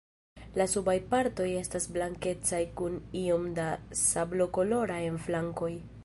La subaj partoj estas blankecaj kun iom da sablokolora en flankoj.